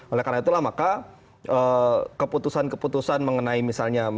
oleh karena itulah maka keputusan keputusan mengenai misalnya